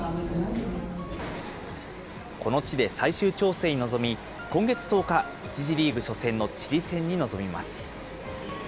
この地で最終調整に臨み、今月１０日、１次リーグ初戦のチリ戦に臨みます。